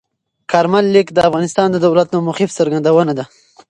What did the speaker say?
کارمل لیک د افغانستان د دولت د موقف څرګندونه ده.